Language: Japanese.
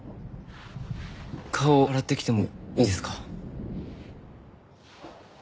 顔洗ってきてもいいですか？